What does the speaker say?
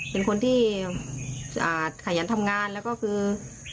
เป็นคนที่ขยันทำงานแล้วก็คือ